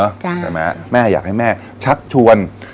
ใช่ไหมแม่อยากให้แม่ชักชวน